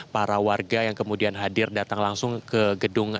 para warga yang kemudian hadir datang langsung ke gedung